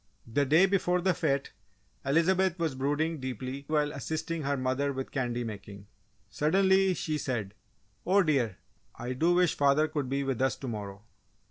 The day before the fête Elizabeth was brooding deeply while assisting her mother with candy making. Suddenly, she said, "Oh, dear! I do wish father could be with us to morrow!"